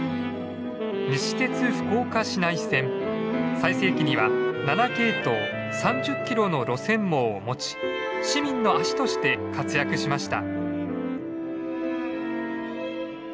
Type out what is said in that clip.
最盛期には７系統３０キロの路線網を持ち市民の足として活躍しました。